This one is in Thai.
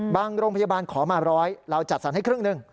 โรงพยาบาลขอมาร้อยเราจัดสรรให้ครึ่งหนึ่ง